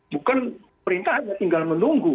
bukan perintahnya tinggal menunggu